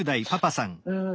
うん。